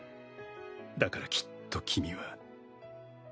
「だからきっと君は」